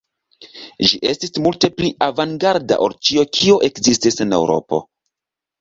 Ĝi estis multe pli avangarda ol ĉio, kio ekzistis en Eŭropo.